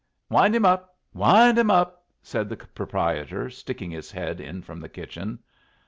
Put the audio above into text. "Wind him up! Wind him up!" said the proprietor, sticking his head in from the kitchen.